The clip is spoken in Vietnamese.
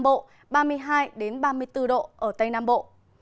và ba mươi hai đến ba mươi bốn độ ở tây nam bộ